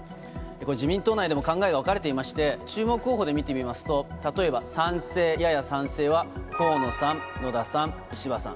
これ、自民党内でも考えが分かれていまして、注目候補で見てみますと、例えば賛成、やや賛成は、河野さん、野田さん、石破さん。